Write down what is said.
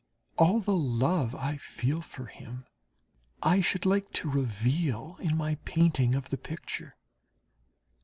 All the love I feel for him I should like to reveal in my painting of the picture.